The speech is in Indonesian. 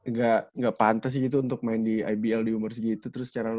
nggak pantas sih gitu untuk main di ibl di umur segitu terus secara langsung